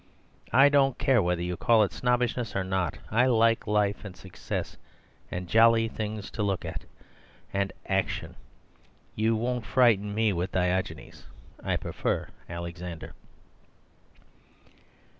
I don't care whether you call it snobbishness or not, I like life and success, and jolly things to look at, and action. You won't frighten me with Diogenes; I prefer Alexander."